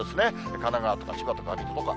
神奈川とか千葉とか水戸とか。